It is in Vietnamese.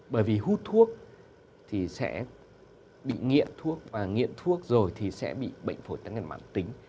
bởi vì hút thuốc thì sẽ bị nghiện thuốc và nghiện thuốc rồi thì sẽ bị bệnh phổi tắc nghẹn mãn tính